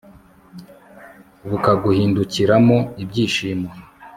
bukaguhindukiramo ibyishimo